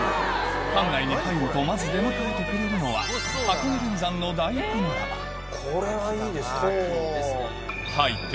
館内に入るとまず出迎えてくれるのはこれはいいですね。